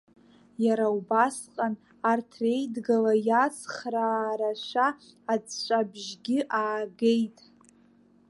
Иара убасҟан, арҭ реидыгара иацхраарашәа, аҵәҵәабжьгьы аагеит.